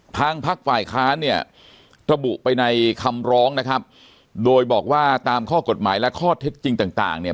พักฝ่ายค้านเนี่ยระบุไปในคำร้องนะครับโดยบอกว่าตามข้อกฎหมายและข้อเท็จจริงต่างต่างเนี่ย